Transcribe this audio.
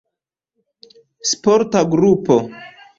Sporta grupo.